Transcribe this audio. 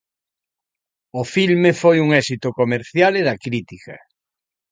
O filme foi un éxito comercial e da crítica.